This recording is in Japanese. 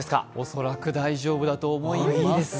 恐らく大丈夫だと思います。